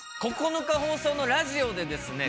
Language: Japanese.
９日放送のラジオでですね